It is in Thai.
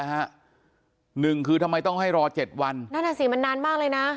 หนึ่งคือทำไมต้องให้รอ๗วันนั่นอ่ะสิมันนานมากเลยนะ